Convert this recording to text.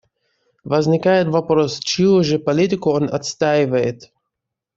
Возникает вопрос: чью же политику он отстаивает?